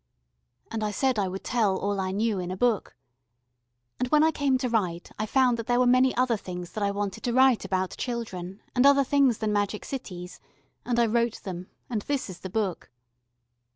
And I said I would tell all I knew in a book. And when I came to write I found that there were many other things that I wanted to write about children, and other things than magic cities, and I wrote them, and this is the book.